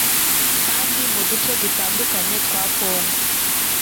kandi mu duce dutandukanye twa Kongo